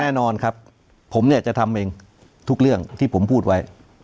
แน่นอนครับผมเนี่ยจะทำเองทุกเรื่องที่ผมพูดไว้